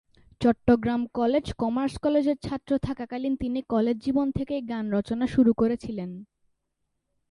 Chittagong college commerce কলেজের ছাত্র থাকাকালীন তিনি কলেজ জীবন থেকেই গান রচনা শুরু করেছিলেন।